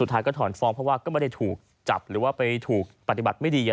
สุดท้ายก็ถอนฟ้องเพราะว่าก็ไม่ได้ถูกจับหรือว่าไปถูกปฏิบัติไม่ดี